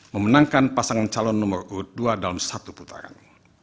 memenangkan pasangan calon nomor urut dua dalam satu putaran